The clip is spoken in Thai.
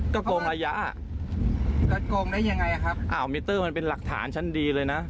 ก็โกงระยะก็โกงได้ยังไงครับอ้าวมิเตอร์มันเป็นหลักฐานชั้นดีเลยนะ